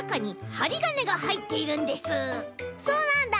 そうなんだ！